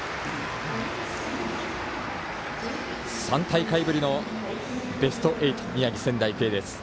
３大会ぶりのベスト８宮城、仙台育英です。